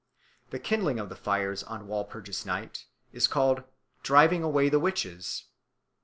The kindling of the fires on Walpurgis Night is called "driving away the witches."